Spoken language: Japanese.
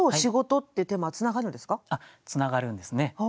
つながるんですね。